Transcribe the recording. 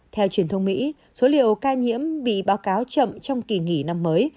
theo truyền thông mỹ số liều ca nhiễm bị báo cáo chậm trong kỳ nghỉ năm mới